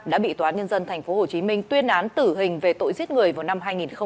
đã bị tòa nhân dân tp hcm tuyên án tử hình về tội giết người vào năm hai nghìn ba